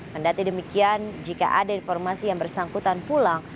mendati demikian jika ada informasi yang bersangkutan pulang